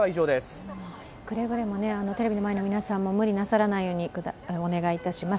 くれぐれもテレビの前の皆さんも無理のないようにお願いいたします。